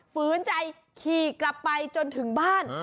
ฝืนใจขี่กลับไปจนถึงบ้าน